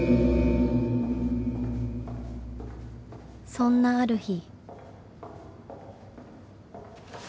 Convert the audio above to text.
［そんなある日］